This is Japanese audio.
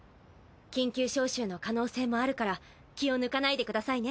緊急招集の可能性もあるから気を抜かないでくださいね。